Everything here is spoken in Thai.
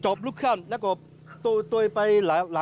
ชาวบ้านในพื้นที่บอกว่าปกติผู้ตายเขาก็อยู่กับสามีแล้วก็ลูกสองคนนะฮะ